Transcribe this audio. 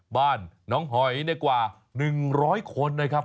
บ้านน้องหอยกว่า๑๐๐คนนะครับ